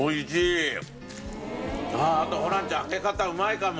あとホランちゃん揚げ方うまいかも。